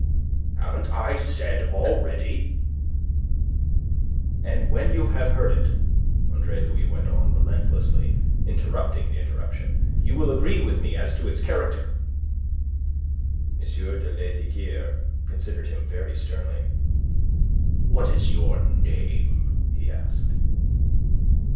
"Haven't I said already..." "And when you have heard it," Andre Louis went on, relentlessly, interrupting the interruption, "you will agree with me as to its character." M. de Lesdiguieres considered him very sternly. "What is your name?" he asked.